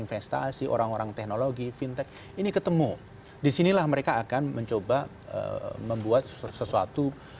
investasi orang orang teknologi fintech ini ketemu disinilah mereka akan mencoba membuat sesuatu